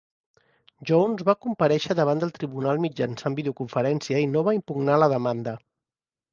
Jones va comparèixer davant del tribunal mitjançant videoconferència i no va impugnar la demanda.